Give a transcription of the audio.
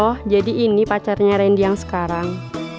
oh jadi ini pacarnya randy yang sekarang